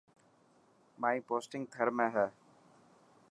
مائي پوسٽنگ ٿر ۾ هي.